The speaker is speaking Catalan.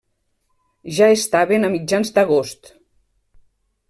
Ja estaven a mitjans d'agost.